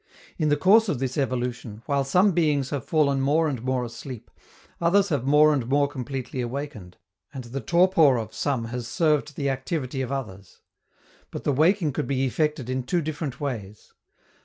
In the course of this evolution, while some beings have fallen more and more asleep, others have more and more completely awakened, and the torpor of some has served the activity of others. But the waking could be effected in two different ways.